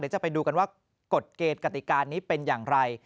เดี๋ยวจะไปดูกันว่ากฎเกตกติการนี้เป็นอย่างไร